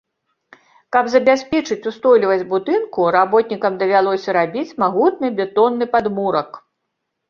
Каб забяспечыць устойлівасць будынку, работнікам давялося рабіць магутны бетонны падмурак.